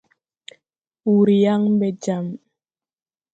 Wùr yaŋ ɓɛ jam.